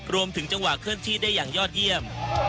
รวมถึงจังหวะเคลื่อนที่ได้อย่างยอดเยี่ยม